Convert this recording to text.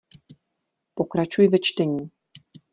Pokračuj ve čtení.